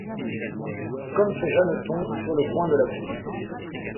Comme fait Jeanneton, sur le coin de la bouche.